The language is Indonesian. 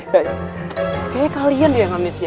kayaknya kalian yang amnesia